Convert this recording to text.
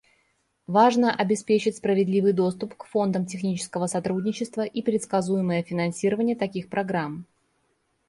Важно обеспечить справедливый доступ к фондам технического сотрудничества и предсказуемое финансирование таких программ.